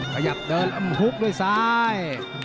ขยับเดินหุบด้วยซ้าย